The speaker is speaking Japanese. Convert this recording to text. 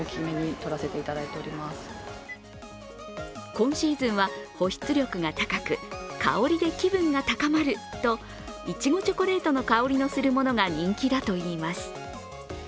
今シーズンは保湿力が高く香りで気分が高まるとイチゴチョコレートの香りがするものが人気だといいます。